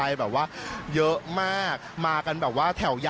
ทุกคนคืออะไรค่ะ